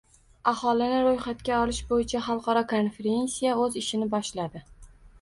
Aholini ro‘yxatga olish bo‘yicha xalqaro konferensiya o‘z ishini boshladi